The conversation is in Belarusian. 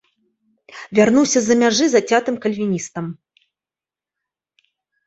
Вярнуўся з-за мяжы зацятым кальвіністам.